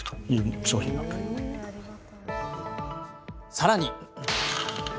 さらに。